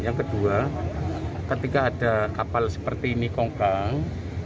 yang kedua ketika ada kapal seperti ini kongkang